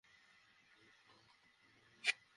আমার এই বান্ধবীর কথাই বলেছিলাম।